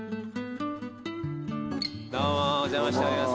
どうもお邪魔しております。